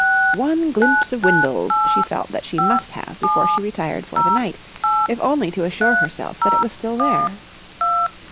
One glimpse of Windles she felt that she must have before she retired for the night, if only to assure herself that it was still there.